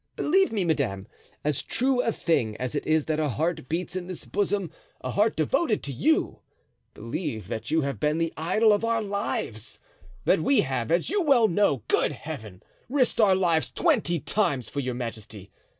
Believe me, madame, as true a thing as it is that a heart beats in this bosom—a heart devoted to you—believe that you have been the idol of our lives; that we have, as you well know—good Heaven!—risked our lives twenty times for your majesty.